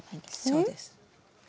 そうです。